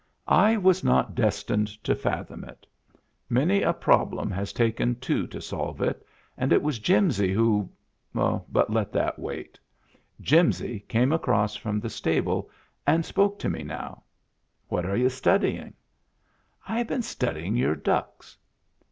I was not des tined to fathom it. Many a problem has taken two to solve it and it was Jimsy who — but let that wait. Jimsy came across from the stable and spoke to me now: — "What are you studying?" " I have been studying your ducks."